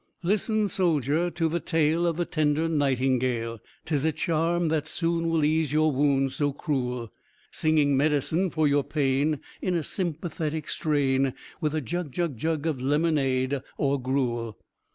Listen, soldier, to the tale of the tender nightingale, 'Tis a charm that soon will ease your wounds so cruel, Singing medicine for your pain, in a sympathetic strain, With a jug, jug, jug of lemonade or gruel.